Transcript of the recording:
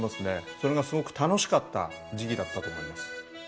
それがすごく楽しかった時期だったと思います。